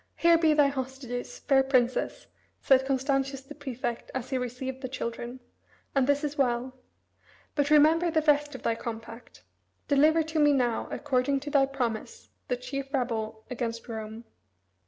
"Here be thy hostages, fair Princess," said Constantius the prefect as he received the children; "and this is well. But remember the rest of thy compact. Deliver to me now, according to thy promise, the chief rebel against Rome."